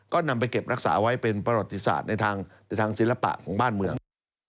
ก็นำไปเก็บรักษาไว้เป็นประวัติศาสตร์ในทางศิลปะของบ้านเมือง